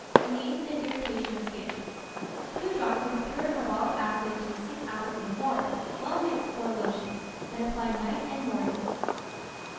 FLEAS, AND IRRITATION OF SKIN. Two drachms pure carbolic acid to 6 oz. of water well mixed for a lotion, and apply night and morning.